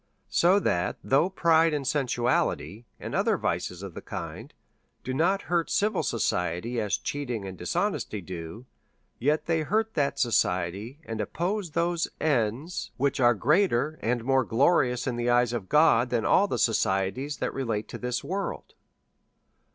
So that, though pride and sensuality, and other vices of the like kind, do not hurt civil society as cheating and dis honesty do, yet tiiey hurt that society, and oppose those ends which are greater and more glorious in the eyes of God than all the societies that relate to this world.